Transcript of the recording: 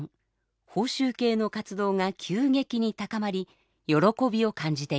報酬系の活動が急激に高まり喜びを感じていました。